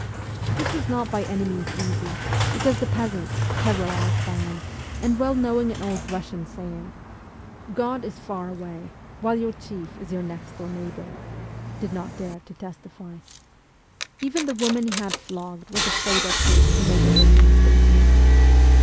This was not by any means easy, because the peasants, terrorized by him, and well knowing an old Eussian saying, ' God is far away, while your chief is your next door neighbour,' did not dare to testify. Even the woman he had flogged was afraid at first to make a written statement.